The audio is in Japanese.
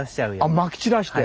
あまき散らして。